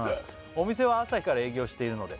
「お店は朝から営業しているので」